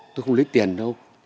tôi không lấy tiền đâu